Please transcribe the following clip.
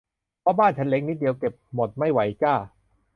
เพราะบ้านฉันเล็กนิดเดียว เก็บหมดไม่ไหวจ้า